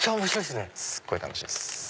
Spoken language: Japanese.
すっごい楽しいです。